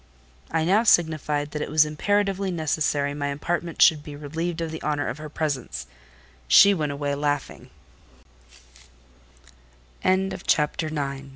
I now signified that it was imperatively necessary my apartment should be relieved of the honour of her presence: she went away lau